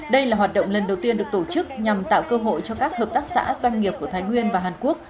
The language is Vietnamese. đây là hoạt động lần đầu tiên được tổ chức nhằm tạo cơ hội cho các hợp tác xã doanh nghiệp của thái nguyên và hàn quốc